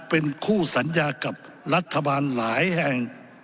เป็นคู่สัญญากับรัฐบาลหลายแห่ง